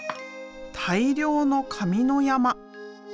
大量の紙の山。